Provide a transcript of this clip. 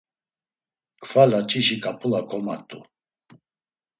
Kfa laç̌işi ǩap̌ula komat̆u.